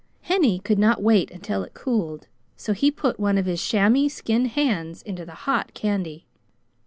Henny could not wait until it cooled; so he put one of his chamois skin hands into the hot candy.